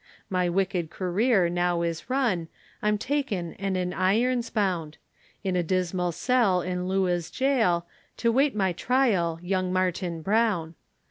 My wicked career now is run, I'm taken, and in irons bound, In a dismal cell in Lewes gaol To wait my trial, young Martin Brown.